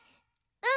うん。